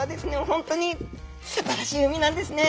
本当にすばらしい海なんですね。